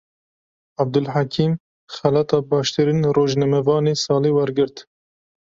Abdulhekîm, xelata baştirîn rojnamevanê salê wergirt